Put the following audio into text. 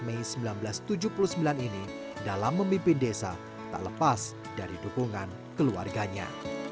mei seribu sembilan ratus tujuh puluh sembilan ini dalam memimpin desa tak lepas dari dukungan keluarganya